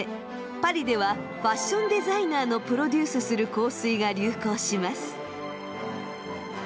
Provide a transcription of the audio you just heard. パリではファッションデザイナーのプロデュースする香水が流行します。